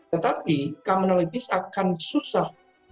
tetapi commonalities akan susah